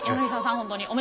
本当にね。